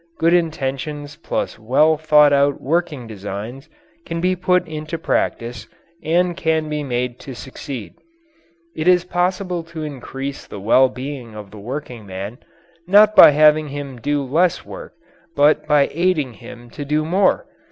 Good intentions plus well thought out working designs can be put into practice and can be made to succeed. It is possible to increase the well being of the workingman not by having him do less work, but by aiding him to do more.